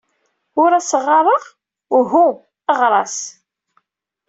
Ur as-ɣɣareɣ? Uhu, ɣer-as!